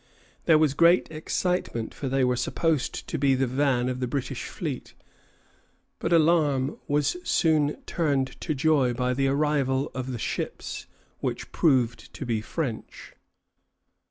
There was great excitement, for they were supposed to be the van of the British fleet; but alarm was soon turned to joy by the arrival of the ships, which proved to be French.